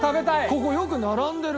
ここよく並んでる！